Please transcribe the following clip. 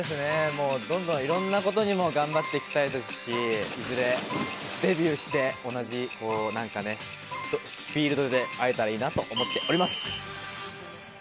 もうどんどんいろんなことに頑張っていきたいですし、いずれ、デビューして、同じ、なんかね、フィールドで会えたらいいなと思っております。